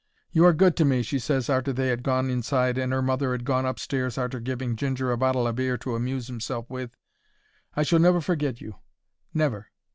"You are good to me," she ses arter they 'ad gone inside and 'er mother 'ad gone upstairs arter giving Ginger a bottle o' beer to amuse 'imself with; "I shall never forget you. Never."